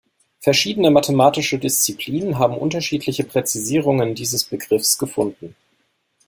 Verschiedene mathematische Disziplinen haben unterschiedliche Präzisierungen dieses Begriffs gefunden.